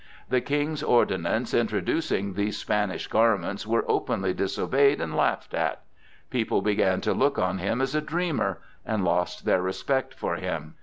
The King's ordinances introducing these Spanish garments were openly disobeyed and laughed at. People began to look on him as a dreamer, and lost their respect for him.